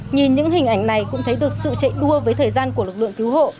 nhìn những hình ảnh này cũng thấy được sự chạy đua với thời gian của lực lượng cứu hộ